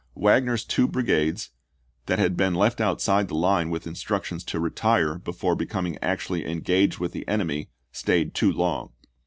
Wagner's two brigades, that had been left outside the line with instruc tions to retire before becoming actually engaged with the enemy, stayed too long.